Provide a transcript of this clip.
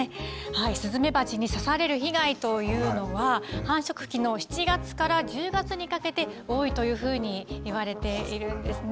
スズメバチに刺される被害というのは、繁殖期の７月から１０月にかけて多いというふうにいわれているんですね。